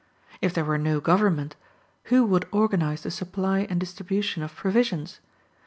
If there were no government, who would organize the supply and distribution of provisions?